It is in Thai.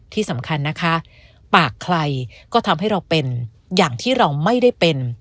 ที่สำคัญนะคะปากใครก็ทำให้เราเป็นอย่างที่เราไม่ได้เป็น